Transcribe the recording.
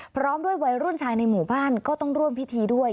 พร้อมด้วยวัยรุ่นชายในหมู่บ้านก็ต้องร่วมพิธีด้วย